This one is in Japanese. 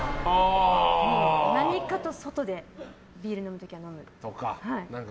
何かと外で、ビール飲む時とか。